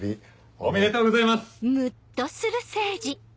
おめでとうございます！